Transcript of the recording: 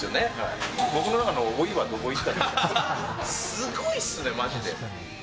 すごいっすねマジで。